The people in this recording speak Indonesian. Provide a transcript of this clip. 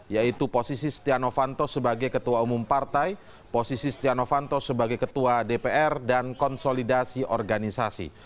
yaitu posisi setia novanto sebagai ketua umum partai posisi setia novanto sebagai ketua dpr dan konsolidasi organisasi